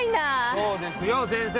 そうですよ先生。